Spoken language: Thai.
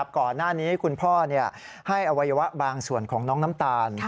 ก่อนหน้านี้คุณพ่อให้อวัยวะบางส่วนของน้องน้ำตาล